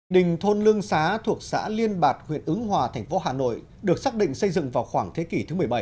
đình thôn lương xá thuộc xã liên bạc huyện ứng hòa thành phố hà nội được xác định xây dựng vào khoảng thế kỷ thứ một mươi bảy